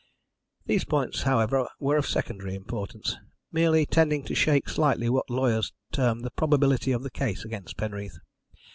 "These points, however, were of secondary importance, merely tending to shake slightly what lawyers term the probability of the case against Penreath.